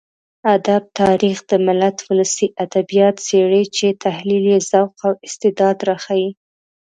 ادب تاريخ د ملت ولسي ادبيات څېړي چې تحليل يې ذوق او استعداد راښيي.